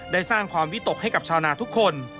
สร้างความวิตกให้กับชาวนาทุกคน